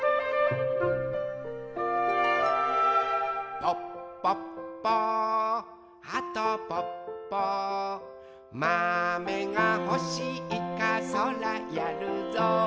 「ぽっぽっぽはとぽっぽ」「まめがほしいかそらやるぞ」